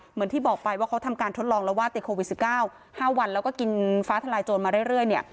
เหมือนที่บอกไปว่าเขาทำการทดลองแล้วว่าติดโควิด๑๙๕วันแล้วก็กินฟ้าทลายโจรมาเรื่อยเนี่ย